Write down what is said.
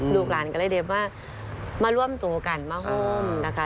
ลูกหลานก็เลยเรียกว่ามาร่วมตัวกันมาห่มนะคะ